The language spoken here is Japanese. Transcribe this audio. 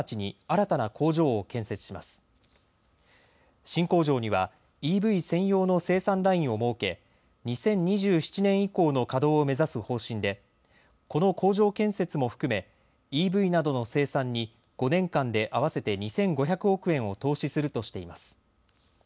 新工場にはＥＶ専用の生産ラインを設け、２０２７年以降の稼働を目指す方針でこの工場建設も含めＥＶなどの生産に５年間で合わせて２５００億円を投資するとしています。